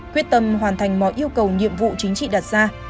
quyết tâm hoàn thành mọi yêu cầu nhiệm vụ chính trị đặt ra